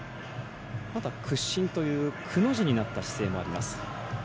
ただ、屈身というくの字になった姿勢もあります。